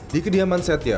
di kediaman setia